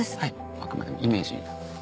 あくまでもイメージなので。